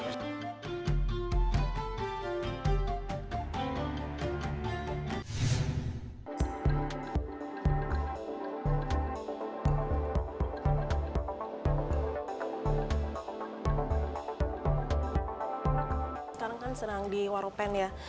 sekarang kan serang di waropen ya